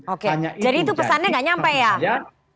oke jadi itu pesannya tidak sampai ya